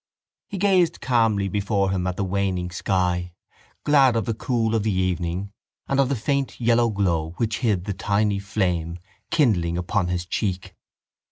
He gazed calmly before him at the waning sky, glad of the cool of the evening and of the faint yellow glow which hid the tiny flame kindling upon his cheek.